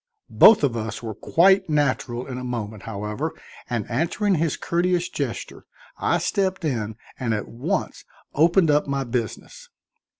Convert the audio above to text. Both of us were quite natural in a moment, however, and answering his courteous gesture I stepped in and at once opened up my business.